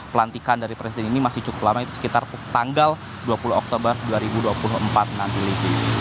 pelantikan dari presiden ini masih cukup lama itu sekitar tanggal dua puluh oktober dua ribu dua puluh empat nanti livi